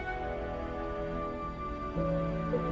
dan semoga berjalan dengan baik